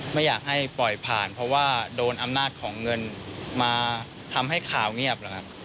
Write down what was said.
ไม่อยากให้ปล่อยผ่านเพราะว่าโดนอำนาจของเงินมาทำให้ข่าวเงียบแล้วครับ